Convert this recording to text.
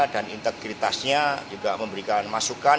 dan integritasnya juga memberikan masukan